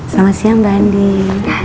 selamat siang mbak andin